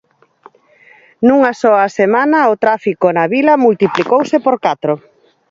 Nunha soa semana o tráfico na vila multiplicouse por catro.